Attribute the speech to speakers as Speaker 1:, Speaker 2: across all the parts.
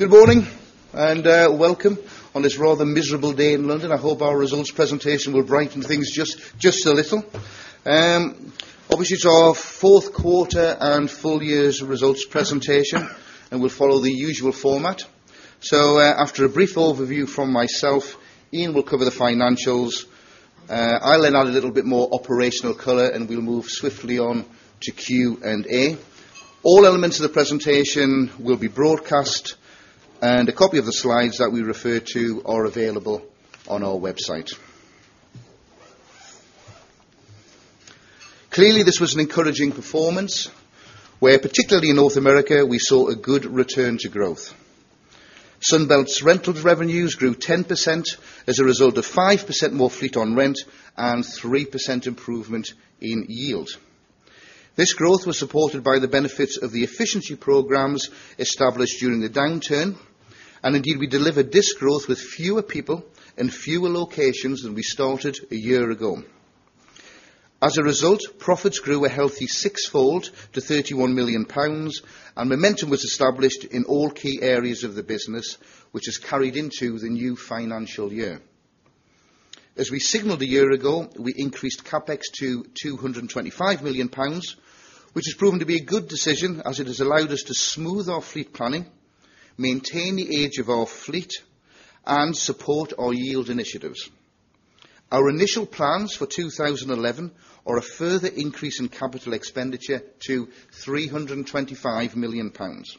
Speaker 1: Good morning and welcome on this rather miserable day in London. I hope our results presentation will brighten things just a little. Obviously, it's our fourth quarter and full year's results presentation, and we'll follow the usual format. After a brief overview from myself, Ian will cover the financials. I'll add a little bit more operational color, and we'll move swiftly on to Q&A. All elements of the presentation will be broadcast, and a copy of the slides that we refer to are available on our website. Clearly, this was an encouraging performance, where particularly in North America we saw a good return to growth. Sunbelt's rental revenues grew 10% as a result of 5% more fleet on rent and 3% improvement in yield. This growth was supported by the benefits of the efficiency programs established during the downturn, and indeed we delivered this growth with fewer people and fewer locations than we started a year ago. As a result, profits grew a healthy 6x to 31 million pounds, and momentum was established in all key areas of the business, which has carried into the new financial year. As we signaled a year ago, we increased CapEx to 225 million pounds, which has proven to be a good decision as it has allowed us to smooth our fleet planning, maintain the age of our fleet, and support our yield initiatives. Our initial plans for 2011 are a further increase in capital expenditure to 325 million pounds.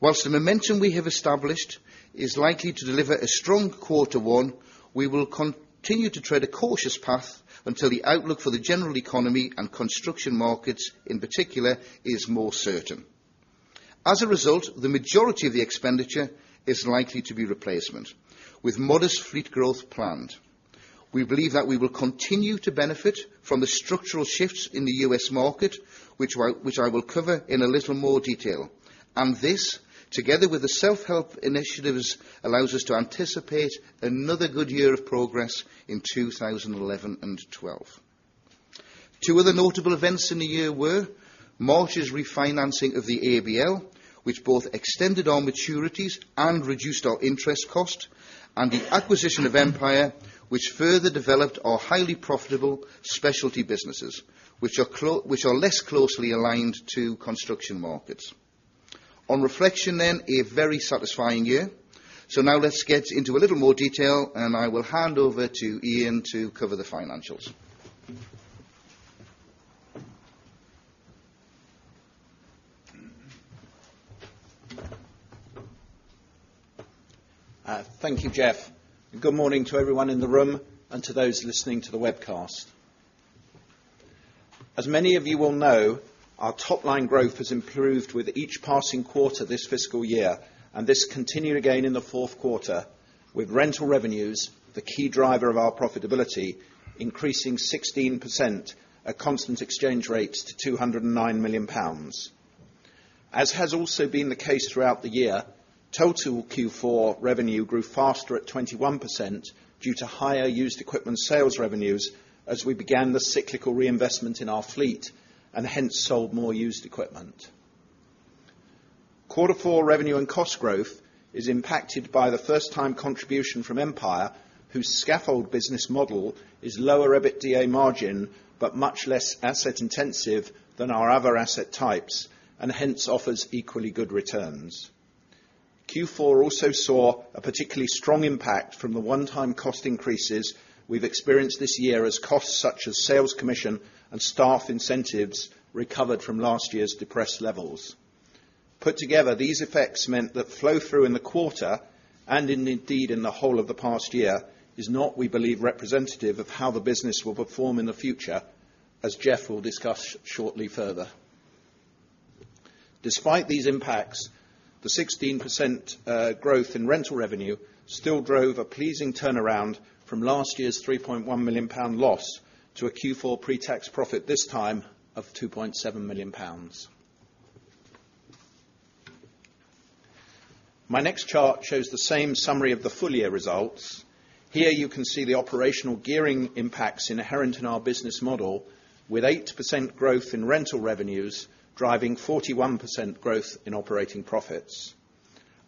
Speaker 1: Whilst the momentum we have established is likely to deliver a strong quarter one, we will continue to tread a cautious path until the outlook for the general economy and construction markets in particular is more certain. As a result, the majority of the expenditure is likely to be replacement, with modest fleet growth planned. We believe that we will continue to benefit from the structural shifts in the U.S. market, which I will cover in a little more detail. This, together with the self-help initiatives, allows us to anticipate another good year of progress in 2011 and 2012. Two other notable events in the year were: Marsh's refinancing of the ABL, which both extended our maturities and reduced our interest cost, and the acquisition of Empire, which further developed our highly profitable specialty businesses, which are less closely aligned to construction markets. On reflection then, a very satisfying year. Now let's get into a little more detail, and I will hand over to Ian to cover the financials.
Speaker 2: Thank you, Geoff. Good morning to everyone in the room and to those listening to the webcast. As many of you will know, our top-line growth has improved with each passing quarter this fiscal year, and this continued again in the fourth quarter, with rental revenues, the key driver of our profitability, increasing 16% at constant exchange rates to 209 million pounds. As has also been the case throughout the year, total Q4 revenue grew faster at 21% due to higher used equipment sales revenues as we began the cyclical reinvestment in our fleet and hence sold more used equipment. Quarter four revenue and cost growth is impacted by the first-time contribution from Empire, whose scaffold business model is lower EBITDA margin but much less asset-intensive than our other asset types, and hence offers equally good returns. Q4 also saw a particularly strong impact from the one-time cost increases we've experienced this year as costs such as sales commission and staff incentives recovered from last year's depressed levels. Put together, these effects meant that flow-through in the quarter, and indeed in the whole of the past year, is not, we believe, representative of how the business will perform in the future, as Geoff will discuss shortly further. Despite these impacts, the 16% growth in rental revenue still drove a pleasing turnaround from last year's 3.1 million pound loss to a Q4 pre-tax profit this time of 2.7 million pounds. My next chart shows the same summary of the full year results. Here you can see the operational gearing impacts inherent in our business model, with 8% growth in rental revenues driving 41% growth in operating profits.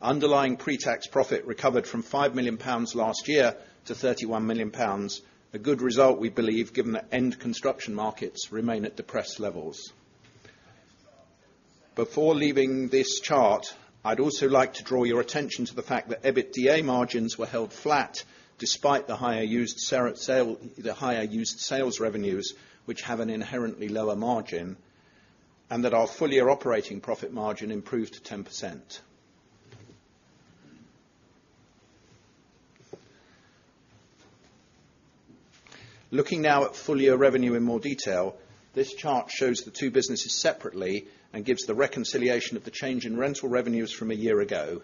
Speaker 2: Underlying pre-tax profit recovered from 5 million pounds last year to 31 million pounds, a good result we believe given that end construction markets remain at depressed levels. Before leaving this chart, I'd also like to draw your attention to the fact that EBITDA margins were held flat despite the higher used sales revenues, which have an inherently lower margin, and that our full year operating profit margin improved to 10%. Looking now at full year revenue in more detail, this chart shows the two businesses separately and gives the reconciliation of the change in rental revenues from a year ago.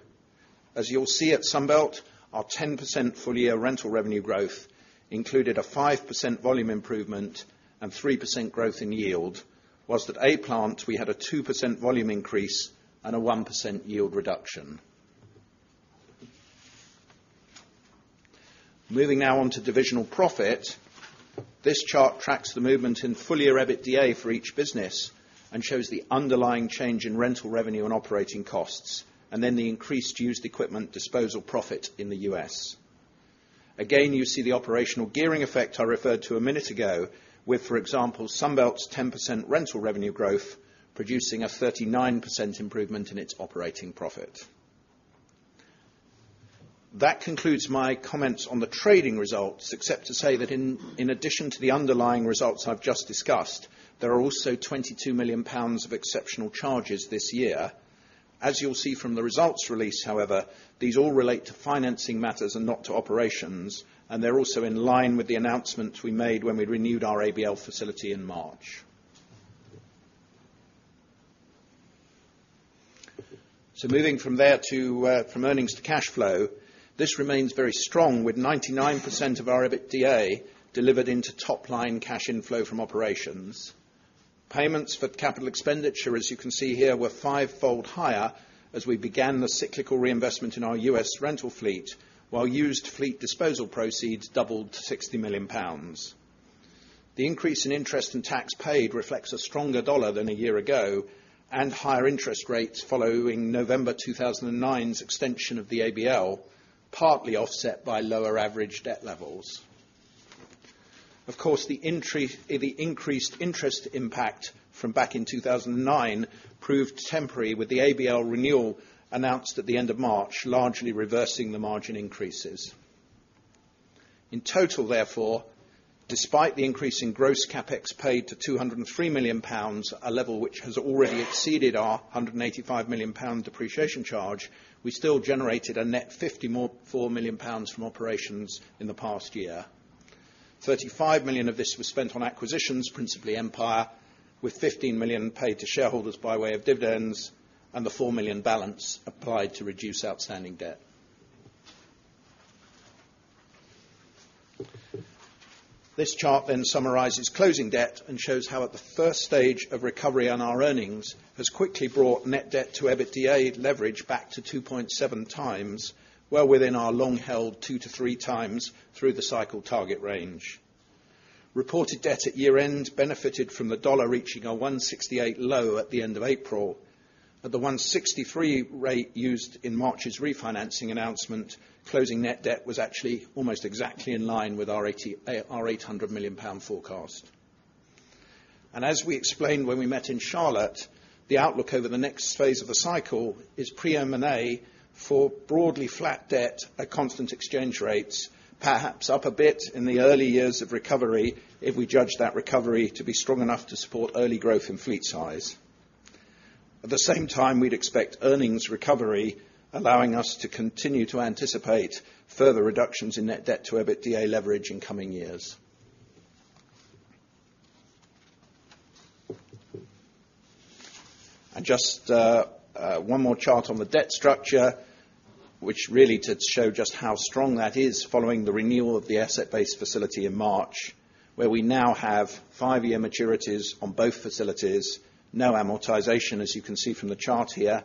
Speaker 2: As you'll see at Sunbelt, our 10% full year rental revenue growth included a 5% volume improvement and 3% growth in yield, whilst at A-Plant we had a 2% volume increase and a 1% yield reduction. Moving now on to divisional profit, this chart tracks the movement in full year EBITDA for each business and shows the underlying change in rental revenue and operating costs, and then the increased used equipment disposal profit in the U.S. Again, you see the operational gearing effect I referred to a minute ago with, for example, Sunbelt's 10% rental revenue growth producing a 39% improvement in its operating profit. That concludes my comments on the trading results, except to say that in addition to the underlying results I've just discussed, there are also GBP 22 million of exceptional charges this year. As you'll see from the results release, however, these all relate to financing matters and not to operations, and they're also in line with the announcement we made when we renewed our ABL facility in March. Moving from there from earnings to cash flow, this remains very strong with 99% of our EBITDA delivered into top-line cash inflow from operations. Payments for CapEx, as you can see here, were 5x higher as we began the cyclical reinvestment in our U.S. rental fleet, while used fleet disposal proceeds doubled to 60 million pounds. The increase in interest and tax paid reflects a stronger dollar than a year ago and higher interest rates following November 2009's extension of the ABL, partly offset by lower average debt levels. The increased interest impact from back in 2009 proved temporary with the ABL renewal announced at the end of March, largely reversing the margin increases. In total, therefore, despite the increase in gross CapEx paid to 203 million pounds, a level which has already exceeded our 185 million pound depreciation charge, we still generated a net 54 million pounds from operations in the past year. 35 million of this was spent on acquisitions, principally Empire, with 15 million paid to shareholders by way of dividends and the 4 million balance applied to reduce outstanding debt. This chart then summarizes closing debt and shows how at the first stage of recovery our earnings have quickly brought net debt to EBITDA leverage back to 2.7x, well within our long-held 2x-3x through the cycle target range. Reported debt at year-end benefited from the dollar reaching a 1.68 low at the end of April. At the 1.63 rate used in March's refinancing announcement, closing net debt was actually almost exactly in line with our 800 million pound forecast. As we explained when we met in Charlotte, the outlook over the next phase of the cycle is pre-eminent for broadly flat debt at constant exchange rates, perhaps up a bit in the early years of recovery if we judge that recovery to be strong enough to support early growth in fleet size. At the same time, we'd expect earnings recovery, allowing us to continue to anticipate further reductions in net debt to EBITDA leverage in coming years. There is just one more chart on the debt structure, which really shows just how strong that is following the renewal of the asset-based facility in March, where we now have five-year maturities on both facilities, no amortization, as you can see from the chart here,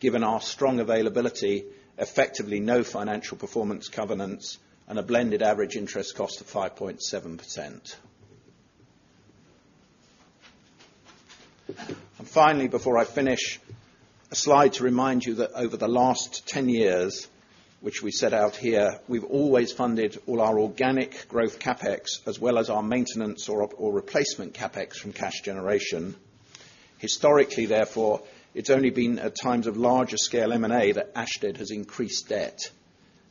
Speaker 2: given our strong availability, effectively no financial performance covenants, and a blended average interest cost of 5.7%. Finally, before I finish, there is a slide to remind you that over the last 10 years, which we set out here, we've always funded all our organic growth CapEx as well as our maintenance or replacement CapEx from cash generation. Historically, therefore, it's only been at times of larger scale M&A that Ashtead has increased debt.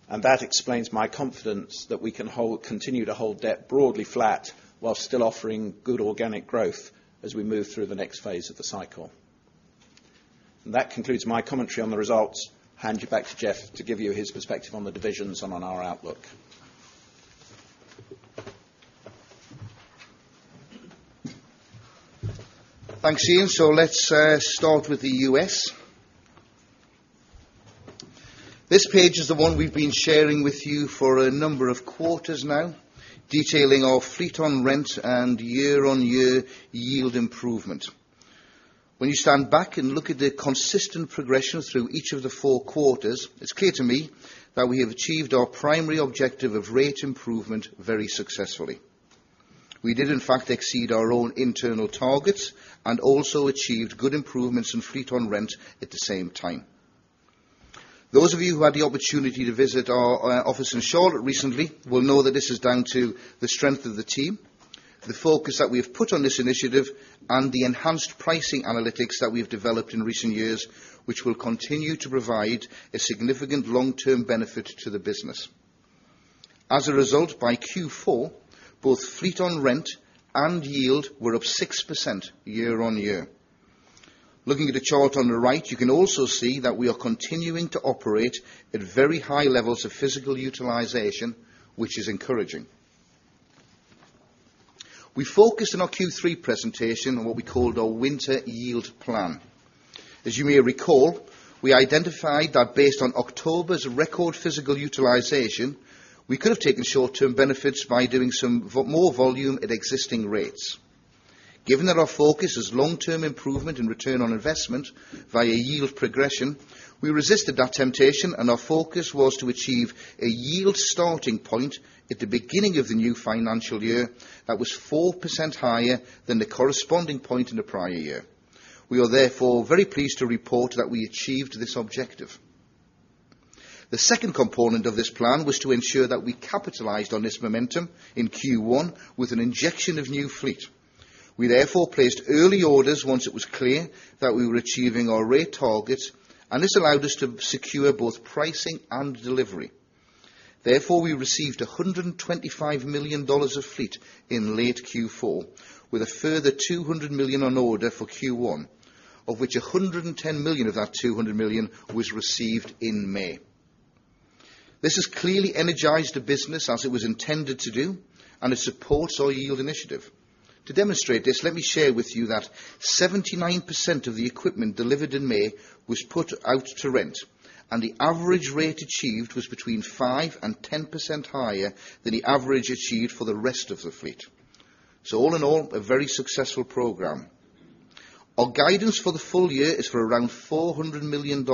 Speaker 2: That explains my confidence that we can continue to hold debt broadly flat while still offering good organic growth as we move through the next phase of the cycle. That concludes my commentary on the results. I hand you back to Geoff to give you his perspective on the divisions and on our outlook.
Speaker 1: Thanks, Ian. Let's start with the U.S. This page is the one we've been sharing with you for a number of quarters now, detailing our fleet on rent and year-on-year yield improvement. When you stand back and look at the consistent progression through each of the four quarters, it's clear to me that we have achieved our primary objective of rate improvement very successfully. We did, in fact, exceed our own internal targets and also achieved good improvements in fleet on rent at the same time. Those of you who had the opportunity to visit our office in Charlotte recently will know that this is down to the strength of the team, the focus that we have put on this initiative, and the enhanced pricing analytics that we have developed in recent years, which will continue to provide a significant long-term benefit to the business. As a result, by Q4, both fleet on rent and yield were up 6% year-on-year. Looking at the chart on the right, you can also see that we are continuing to operate at very high levels of physical utilization, which is encouraging. We focused in our Q3 presentation on what we called our winter yield plan. As you may recall, we identified that based on October's record physical utilization, we could have taken short-term benefits by doing some more volume at existing rates. Given that our focus is long-term improvement and return on investment via yield progression, we resisted that temptation, and our focus was to achieve a yield starting point at the beginning of the new financial year that was 4% higher than the corresponding point in the prior year. We are therefore very pleased to report that we achieved this objective. The second compoqnent of this plan was to ensure that we capitalized on this momentum in Q1 with an injection of new fleet. We therefore placed early orders once it was clear that we were achieving our rate targets, and this allowed us to secure both pricing and delivery. We received $125 million of fleet in late Q4, with a further $200 million on order for Q1, of which $110 million of that $200 million was received in May. This has clearly energized the business as it was intended to do, and it supports our yield initiative. To demonstrate this, let me share with you that 79% of the equipment delivered in May was put out to rent, and the average rate achieved was between 5% and 10% higher than the average achieved for the rest of the fleet. All in all, a very successful program. Our guidance for the full year is for around $400 million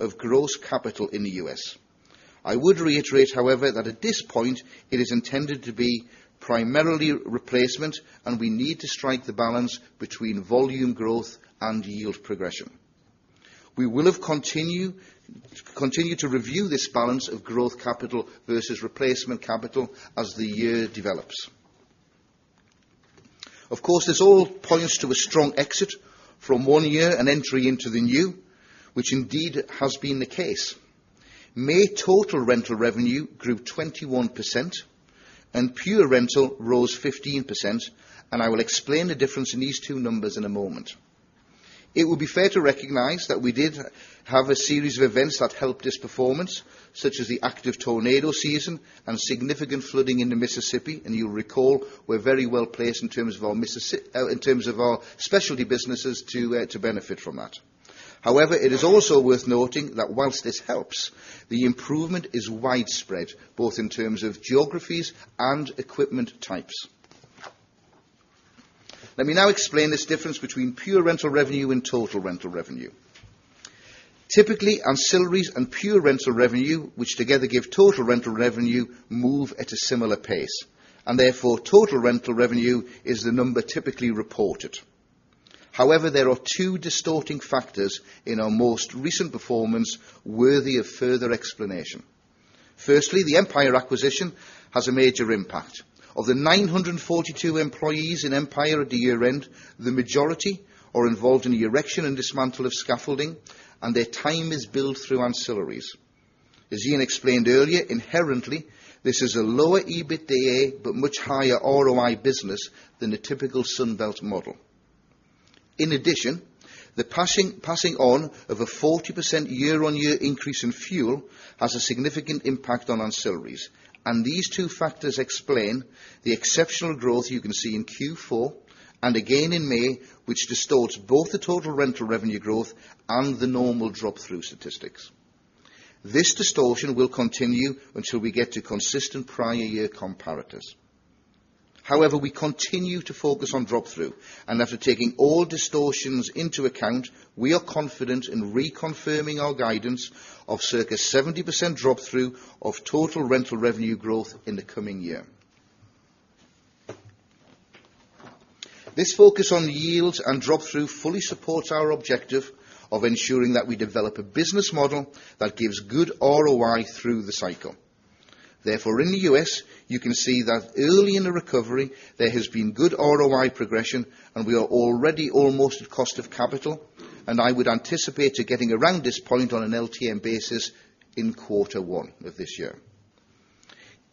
Speaker 1: of gross capital in the U.S. I would reiterate, however, that at this point it is intended to be primarily replacement, and we need to strike the balance between volume growth and yield progression. We will continue to review this balance of growth capital versus replacement capital as the year develops. Of course, this all points to a strong exit from one year and entry into the new, which indeed has been the case. May total rental revenue grew 21%, and pure rental rose 15%, and I will explain the difference in these two numbers in a moment. It would be fair to recognize that we did have a series of events that helped this performance, such as the active tornado season and significant flooding in the Mississippi, and you'll recall we're very well placed in terms of our specialty businesses to benefit from that. However, it is also worth noting that whilst this helps, the improvement is widespread, both in terms of geographies and equipment types. Let me now explain this difference between pure rental revenue and total rental revenue. Typically, ancillaries and pure rental revenue, which together give total rental revenue, move at a similar pace, and therefore total rental revenue is the number typically reported. However, there are two distorting factors in our most recent performance worthy of further explanation. Firstly, the Empire acquisition has a major impact. Of the 942 employees in Empire at the year-end, the majority are involved in the erection and dismantle of scaffolding, and their time is billed through ancillaries. As Ian explained earlier, inherently, this is a lower EBITDA but much higher ROI business than the typical Sunbelt model. In addition, the passing on of a 40% year-on-year increase in fuel has a significant impact on ancillaries, and these two factors explain the exceptional growth you can see in Q4 and again in May, which distorts both the total rental revenue growth and the normal drop-through statistics. This distortion will continue until we get to consistent prior year comparators. However, we continue to focus on drop-through, and after taking all distortions into account, we are confident in reconfirming our guidance of circa 70% drop-through of total rental revenue growth in the coming year. This focus on yields and drop-through fully supports our objective of ensuring that we develop a business model that gives good ROI through the cycle. Therefore, in the U.S. you can see that early in the recovery there has been good ROI progression, and we are already almost at cost of capital, and I would anticipate getting around this point on an LTM basis in quarter one of this year.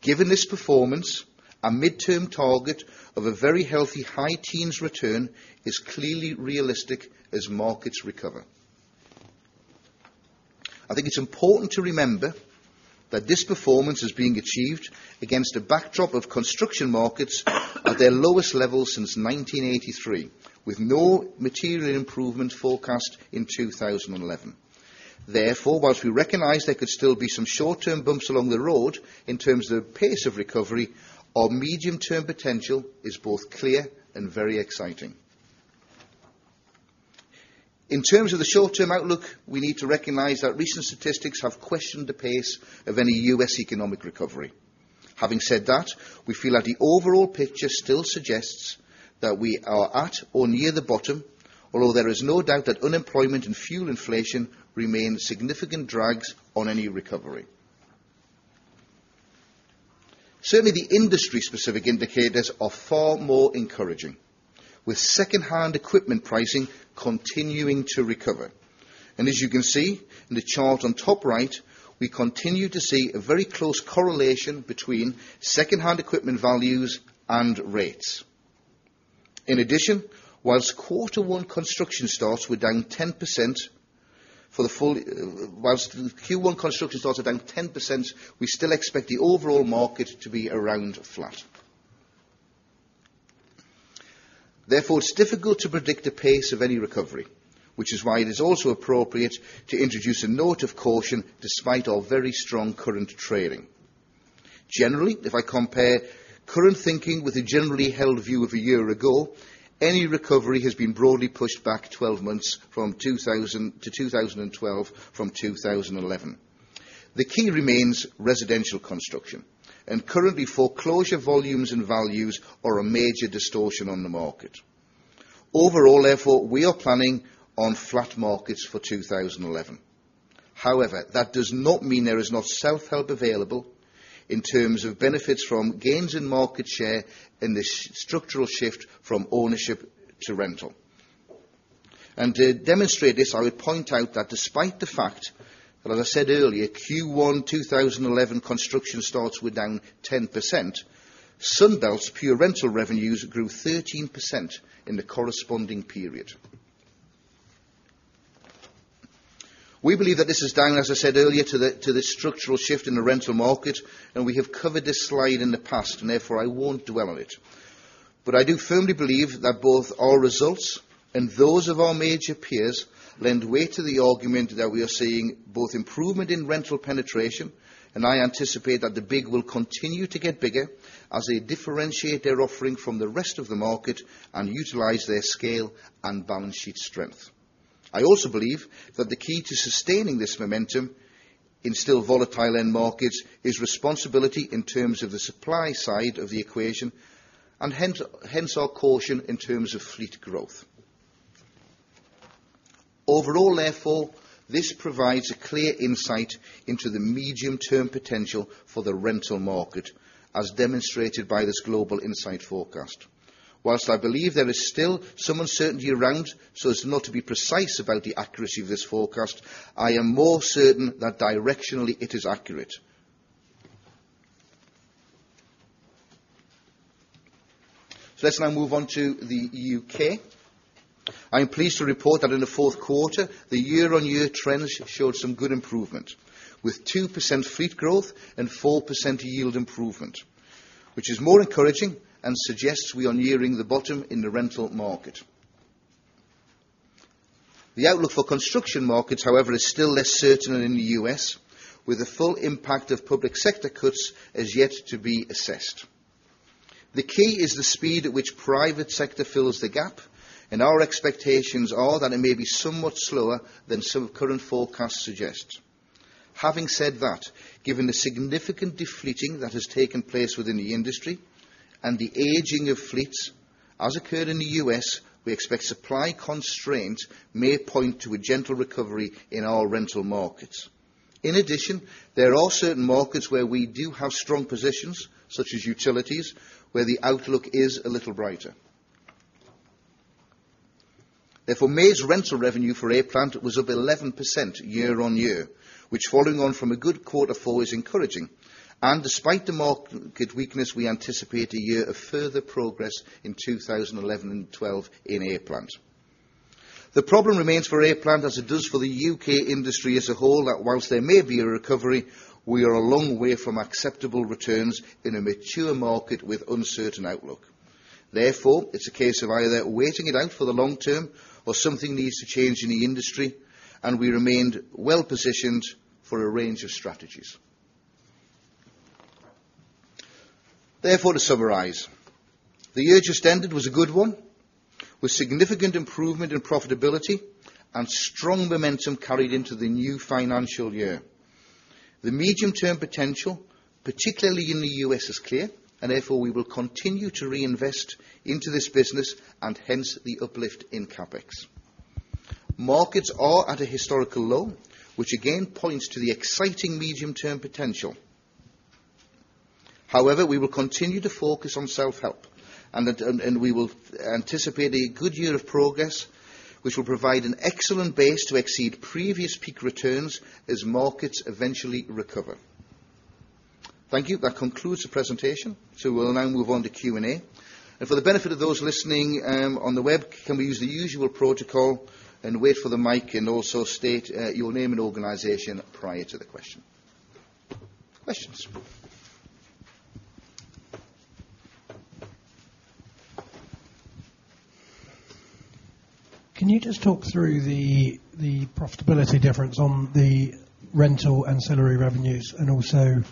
Speaker 1: Given this performance, a midterm target of a very healthy high-teens return is clearly realistic as markets recover. I think it's important to remember that this performance is being achieved against a backdrop of construction markets at their lowest level since 1983, with no material improvement forecast in 2011. Therefore, whilst we recognize there could still be some short-term bumps along the road in terms of the pace of recovery, our medium-term potential is both clear and very exciting. In terms of the short-term outlook, we need to recognize that recent statistics have questioned the pace of any U.S. economic recovery. Having said that, we feel that the overall picture still suggests that we are at or near the bottom, although there is no doubt that unemployment and fuel inflation remain significant drags on any recovery. Certainly, the industry-specific indicators are far more encouraging, with second-hand equipment pricing continuing to recover. As you can see in the chart on top right, we continue to see a very close correlation between second-hand equipment values and rates. In addition, whilst quarter one construction stocks were down 10%, whilst the Q1 construction stocks are down 10%, we still expect the overall market to be around flat. Therefore, it's difficult to predict the pace of any recovery, which is why it is also appropriate to introduce a note of caution despite our very strong current trading. Generally, if I compare current thinking with a generally held view of a year ago, any recovery has been broadly pushed back 12 months from 2010-2012 from 2011. The key remains residential construction, and currently foreclosure volumes and values are a major distortion on the market. Overall, therefore, we are planning on flat markets for 2011. However, that does not mean there is not self-help available in terms of benefits from gains in market share and the structural shift from ownership to rental. To demonstrate this, I would point out that despite the fact that, as I said earlier, Q1 2011 construction stocks were down 10%, Sunbelt's pure rental revenues grew 13% in the corresponding period. We believe that this is down, as I said earlier, to the structural shift in the rental market, and we have covered this slide in the past, and therefore I won't dwell on it. I do firmly believe that both our results and those of our major peers lend weight to the argument that we are seeing both improvement in rental penetration, and I anticipate that the big will continue to get bigger as they differentiate their offering from the rest of the market and utilize their scale and balance sheet strength. I also believe that the key to sustaining this momentum in still volatile end markets is responsibility in terms of the supply side of the equation, and hence our caution in terms of fleet growth. Overall, therefore, this provides a clear insight into the medium-term potential for the rental market, as demonstrated by this global insight forecast. Whilst I believe there is still some uncertainty around, so as not to be precise about the accuracy of this forecast, I am more certain that directionally it is accurate. Let's now move on to the U.K.. I am pleased to report that in the fourth quarter, the year-on-year trends showed some good improvement, with 2% fleet growth and 4% yield improvement, which is more encouraging and suggests we are nearing the bottom in the rental market. The outlook for construction markets, however, is still less certain than in the U.S. with the full impact of public sector cuts as yet to be assessed. The key is the speed at which private sector fills the gap, and our expectations are that it may be somewhat slower than some current forecasts suggest. Having said that, given the significant defleating that has taken place within the industry and the aging of fleets, as occurred in the U.S. we expect supply constraints may point to a gentle recovery in our rental markets. In addition, there are certain markets where we do have strong positions, such as utilities, where the outlook is a little brighter. Therefore, May's rental revenue for A-Plant was up 11% year-on-year, which, following on from a good quarter four, is encouraging. Despite the market weakness, we anticipate a year of further progress in 2011 and 2012 in A-Plant. The problem remains for A-Plant, as it does for the U.K. industry as a whole, that whilst there may be a recovery, we are a long way from acceptable returns in a mature market with uncertain outlook. Therefore, it's a case of either waiting it out for the long term or something needs to change in the industry, and we remained well positioned for a range of strategies. Therefore, to summarize, the year just ended was a good one, with significant improvement in profitability and strong momentum carried into the new financial year. The medium-term potential, particularly in the U.S. is clear, and therefore we will continue to reinvest into this business and hence the uplift in CapEx. Markets are at a historical low, which again points to the exciting medium-term potential. However, we will continue to focus on self-help, and we will anticipate a good year of progress, which will provide an excellent base to exceed previous peak returns as markets eventually recover. Thank you. That concludes the presentation. We will now move on to Q&A. For the benefit of those listening on the web, can we use the usual protocol and wait for the mic and also state your name and organization prior to the question. Questions? Can you just talk through the profitability difference on the rental ancillary revenues? Also,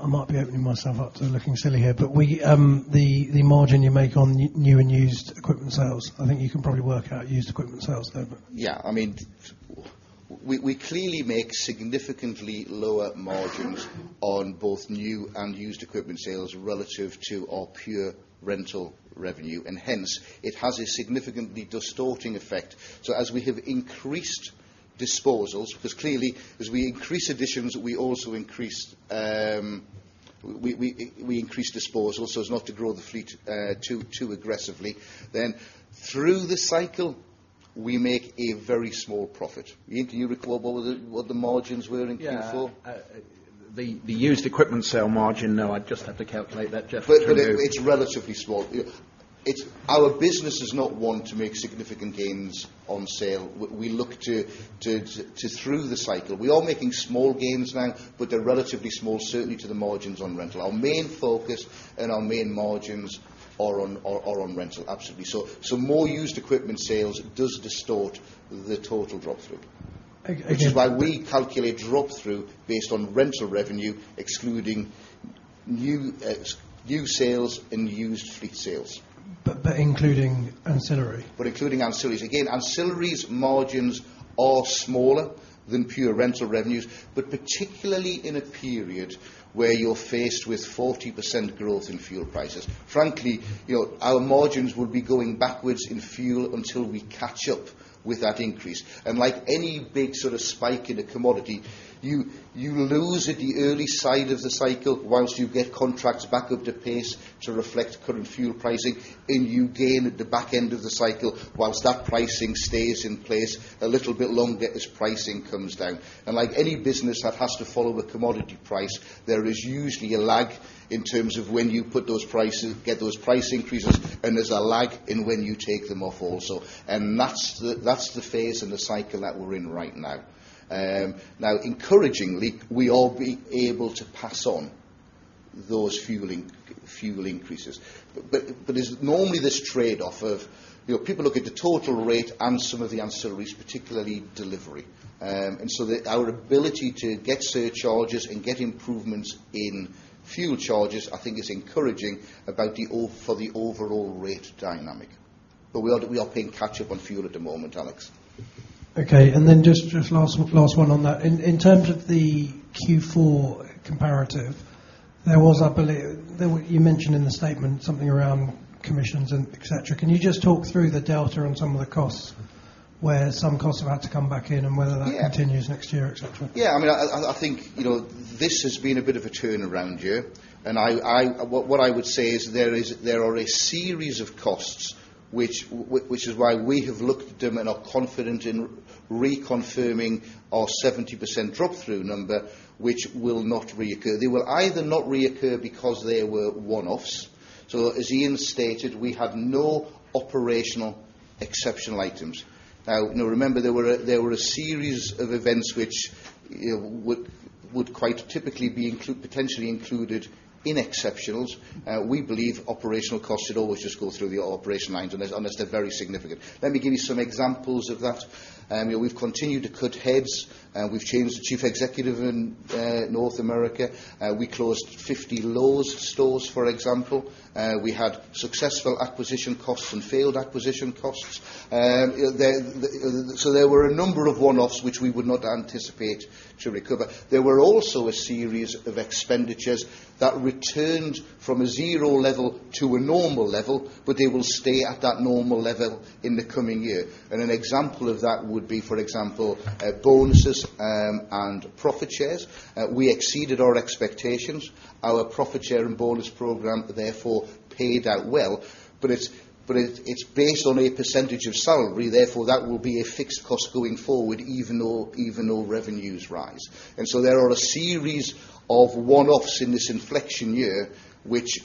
Speaker 1: I might be opening myself up to looking silly here, but the margin you make on new and used equipment sales, I think you can probably work out used equipment sales though. Yeah, I mean, we clearly make significantly lower margins on both new and used equipment sales relative to our pure rental revenue, and hence it has a significantly distorting effect. As we have increased disposals, because clearly as we increase additions, we also increase disposals, so as not to grow the fleet too aggressively, then through the cycle, we make a very small profit. Do you recall what the margins were in Q4? Yeah, the used equipment sale margin, no, I'd just have to calculate that, Geoff. It is relatively small. Our business is not one to make significant gains on sale. We look to through the cycle. We are making small gains now, but they're relatively small, certainly to the margins on rental. Our main focus and our main margins are on rental, absolutely. More used equipment sales does distort the total drop-through. Again. That's why we calculate drop-through based on rental revenue, excluding new sales and used fleet sales. Including ancillary? Including ancillaries, again, ancillaries' margins are smaller than pure rental revenues, particularly in a period where you're faced with 40% growth in fuel prices. Frankly, you know our margins will be going backwards in fuel until we catch up with that increase. Like any big sort of spike in a commodity, you lose at the early side of the cycle whilst you get contracts back up to pace to reflect current fuel pricing, and you gain at the back end of the cycle whilst that pricing stays in place a little bit longer as pricing comes down. Like any business that has to follow a commodity price, there is usually a lag in terms of when you put those prices, get those price increases, and there's a lag in when you take them off also. That's the phase in the cycle that we're in right now. Encouragingly, we are able to pass on those fuel increases. There's normally this trade-off of people look at the total rate and some of the ancillaries, particularly delivery. Our ability to get surcharges and get improvements in fuel charges, I think, is encouraging for the overall rate dynamic. We are paying catch-up on fuel at the moment, Alex. Okay. In terms of the Q4 comparative, I believe you mentioned in the statement something around commissions and etc. Can you just talk through the delta on some of the costs where some costs have had to come back in and whether that continues next year, etc.? Yeah, I mean, I think you know this has been a bit of a turnaround year. What I would say is there are a series of costs, which is why we have looked at them and are confident in reconfirming our 70% drop-through number, which will not reoccur. They will either not reoccur because they were one-offs. As Ian stated, we had no operational exceptional items. Now, remember there were a series of events which would quite typically be potentially included in exceptionals. We believe operational costs should always just go through the operational lines unless they're very significant. Let me give you some examples of that. We've continued to cut heads. We've changed the Chief Executive in North America. We closed 50 Lowe's stores, for example. We had successful acquisition costs and failed acquisition costs. There were a number of one-offs which we would not anticipate should recover. There were also a series of expenditures that returned from a zero level to a normal level, but they will stay at that normal level in the coming year. An example of that would be, for example, bonuses and profit shares. We exceeded our expectations. Our profit share and bonus program therefore paid out well. It's based on a percentage of salary. Therefore, that will be a fixed cost going forward even though revenues rise. There are a series of one-offs in this inflection year which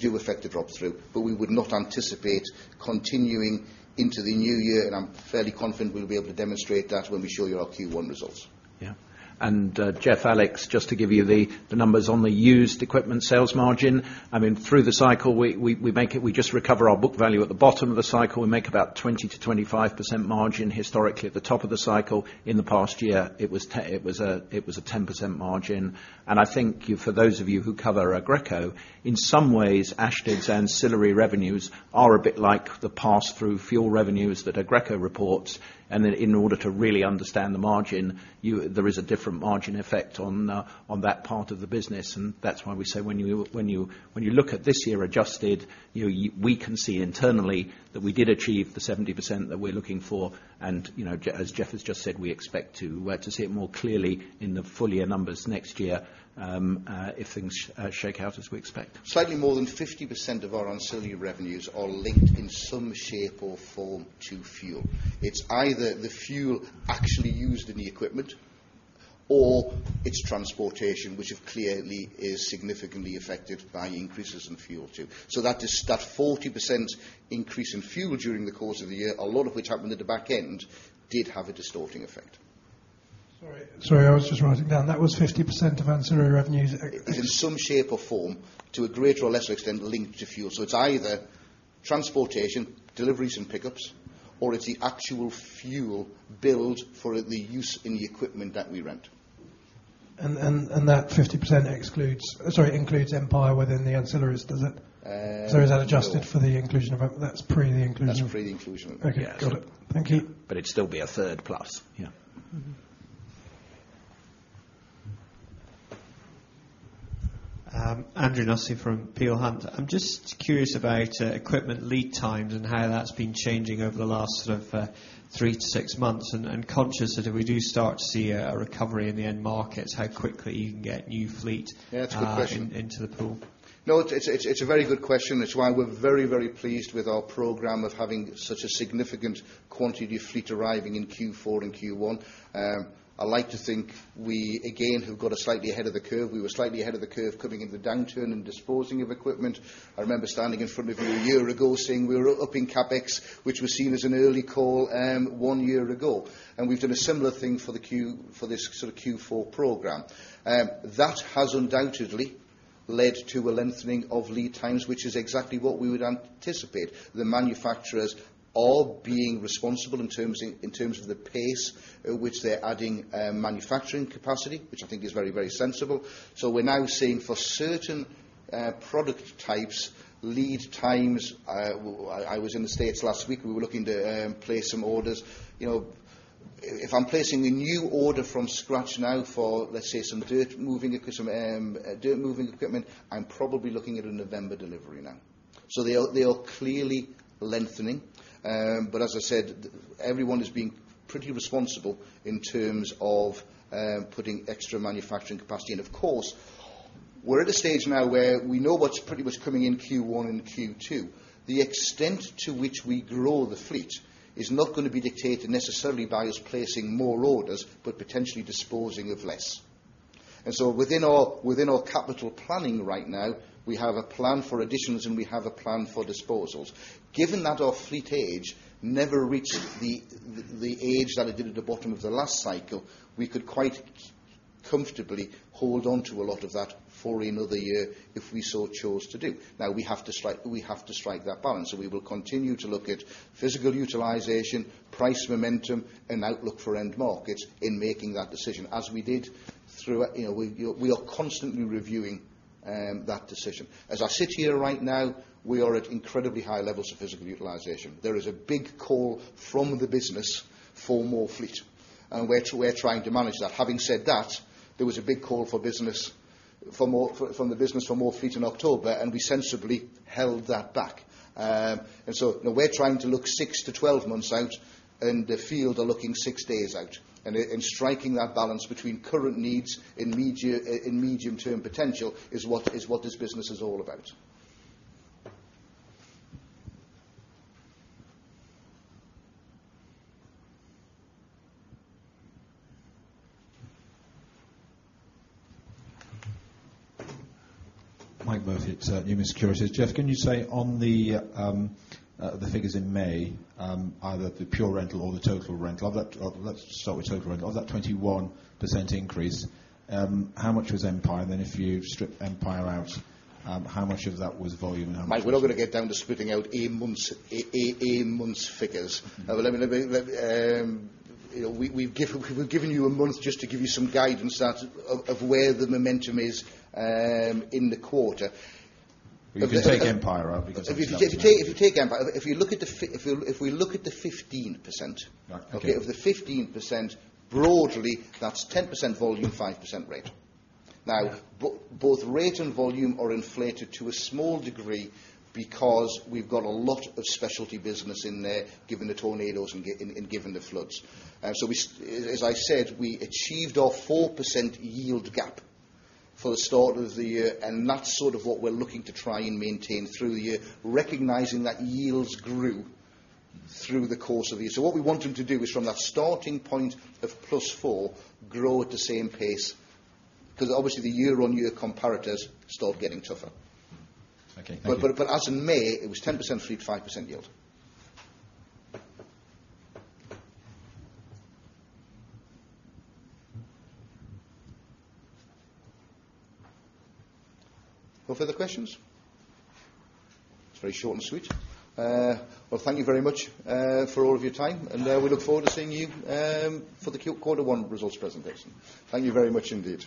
Speaker 1: do affect the drop-through, but we would not anticipate continuing into the new year. I'm fairly confident we'll be able to demonstrate that when we show you our Q1 results.
Speaker 2: Yeah. Geoff, Alex, just to give you the numbers on the used equipment sales margin, through the cycle, we just recover our book value at the bottom of the cycle. We make about 20%-25% margin historically at the top of the cycle. In the past year, it was a 10% margin. I think for those of you who cover Aggreko, in some ways, Ashtead's ancillary revenues are a bit like the pass-through fuel revenues that Aggreko reports. In order to really understand the margin, there is a different margin effect on that part of the business. That is why we say when you look at this year adjusted, we can see internally that we did achieve the 70% that we're looking for. You know, as Geoff has just said, we expect to see it more clearly in the full year numbers next year if things shake out as we expect.
Speaker 1: Slightly more than 50% of our ancillary revenues are linked in some shape or form to fuel. It's either the fuel actually used in the equipment or its transportation, which clearly is significantly affected by increases in fuel too. That 40% increase in fuel during the course of the year, a lot of which happened at the back end, did have a distorting effect. Sorry, I was just writing down that was 50% of ancillary revenues. Is in some shape or form, to a greater or lesser extent, linked to fuel. It's either transportation, deliveries, and pickups, or it's the actual fuel billed for the use in the equipment that we rent. That 50% includes Empire within the ancillaries, does it? Is that adjusted for the inclusion of it? That's pre the inclusion. That's pre the inclusion. Okay, got it. Thank you. It'd still be a third plus. Yeah. I'm just curious about equipment lead times and how that's been changing over the last sort of 3-6 months. I'm conscious that if we do start to see a recovery in the end markets, how quickly you can get new fleet into the pool. No, it's a very good question. That's why we're very, very pleased with our program of having such a significant quantity of fleet arriving in Q4 and Q1. I like to think we, again, have got us slightly ahead of the curve. We were slightly ahead of the curve coming into the downturn and disposing of equipment. I remember standing in front of you a year ago saying we were upping CapEx, which was seen as an early call one year ago. We've done a similar thing for this sort of Q4 program. That has undoubtedly led to a lengthening of lead times, which is exactly what we would anticipate. The manufacturers are being responsible in terms of the pace at which they're adding manufacturing capacity, which I think is very, very sensible. We're now seeing for certain product types lead times. I was in the States last week. We were looking to place some orders. If I'm placing a new order from scratch now for, let's say, some dirt moving equipment, I'm probably looking at a November delivery now. They are clearly lengthening. As I said, everyone is being pretty responsible in terms of putting extra manufacturing capacity. Of course, we're at a stage now where we know what's pretty much coming in Q1 and Q2. The extent to which we grow the fleet is not going to be dictated necessarily by us placing more orders, but potentially disposing of less. Within our capital planning right now, we have a plan for additions and we have a plan for disposals. Given that our fleet age never reached the age that it did at the bottom of the last cycle, we could quite comfortably hold on to a lot of that for another year if we so chose to do. We have to strike that balance. We will continue to look at physical utilization, price momentum, and outlook for end markets in making that decision. As we did through, you know, we are constantly reviewing that decision. As I sit here right now, we are at incredibly high levels of physical utilization. There is a big call from the business for more fleet, and we're trying to manage that. Having said that, there was a big call from the business for more fleet in October, and we sensibly held that back. Now we're trying to look 6-12 months out, and the field are looking 6 days out. Striking that balance between current needs and medium-term potential is what this business is all about.
Speaker 3: Mike Murphy at Truist Securities. Geoff, can you say on the figures in May, either the pure rental or the total rental, let's start with total rental, of that 21% increase, how much was Empire? If you strip Empire out, how much of that was volume now?
Speaker 1: Mike, we're not going to get down to splitting out a month's figures. Let me look at, we've given you a month just to give you some guidance of where the momentum is in the quarter.
Speaker 3: If you take Empire out, because.
Speaker 1: If you take Empire, if you look at the 15%, okay, of the 15%, broadly, that's 10% volume, 5% rate. Now, both rate and volume are inflated to a small degree because we've got a lot of specialty business in there, given the tornadoes and given the floods. As I said, we achieved our 4% yield gap for the start of the year, and that's sort of what we're looking to try and maintain through the year, recognizing that yields grew through the course of the year. What we want them to do is from that starting point of +4, grow at the same pace, because obviously the year-on-year comparators start getting tougher. In May, it was 10% fleet, 5% yield. Are there further questions? It's very short and sweet. Thank you very much for all of your time, and we look forward to seeing you for the quarter one results presentation. Thank you very much indeed.